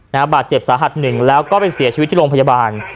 บาดเจ็บสาหัสหนึ่งแล้วก็ไปเสียชีวิตที่โรงพยาบาล